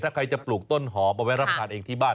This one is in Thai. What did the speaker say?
ถ้าใครจะปลูกต้นหอมเอาไว้รับประทานเองที่บ้าน